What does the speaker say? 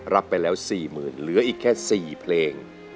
รับไปแล้ว๔๐๐๐เหลืออีกแค่๔เพลง